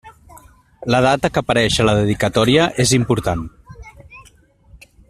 La data que apareix a la dedicatòria és important.